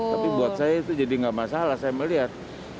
tapi buat saya itu jadi nggak masalah saya melihat